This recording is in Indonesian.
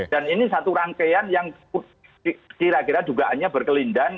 dan ini satu rangkaian yang kira kira dugaannya berkelindan